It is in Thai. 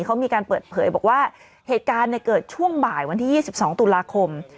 เขามีการเปิดเผยบอกว่าเหตุการณ์เกิดช่วงบ่ายวันที่๒๒ตุลาคม